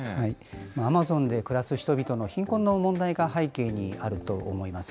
アマゾンで暮らす人々の貧困の問題が背景にあると思います。